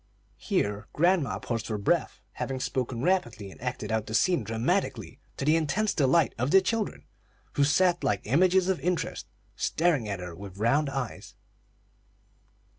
'" Here grandma paused for breath, having spoken rapidly and acted out the scene dramatically, to the intense delight of the children, who sat like images of interest, staring at her with round eyes.